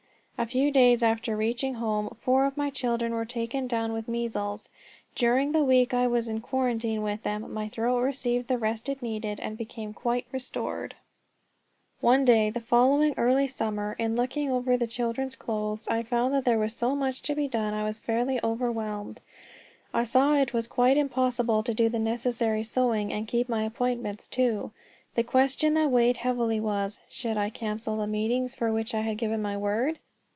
A few days after reaching home four of my children were taken down with measles. During the weeks I was in quarantine with them my throat received the rest it needed, and became quite restored. One day the following early summer, in looking over the children's clothes, I found there was so much to be done I was fairly overwhelmed. I saw it was quite impossible to do the necessary sewing and keep my appointments too. The question that weighed heavily was, "Should I cancel the meetings for which I had given my word?"